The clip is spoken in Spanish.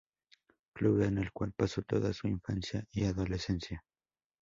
Club en el cual pasó toda su infancia y adolescencia.